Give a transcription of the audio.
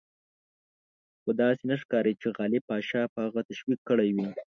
خو داسې نه ښکاري چې غالب پاشا به هغه تشویق کړی وي.